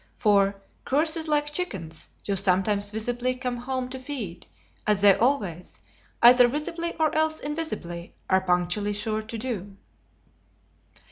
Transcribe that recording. For "curses, like chickens," do sometimes visibly "come home to feed," as they always, either visibly or else invisibly, are punctually sure to do.